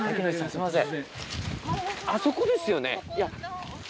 すいません。